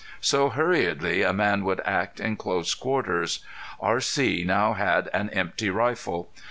So hurriedly a man would act in close quarters. R.C. now had an empty rifle!...